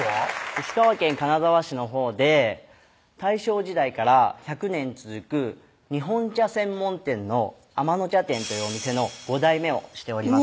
石川県金沢市のほうで大正時代から１００年続く日本茶専門店の天野茶店というお店の五代目をしております